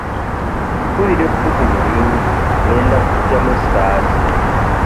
Mpulira ebbugumu lingi ngenda kuggyamu essaati.